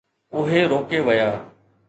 اهي روڪي ويا.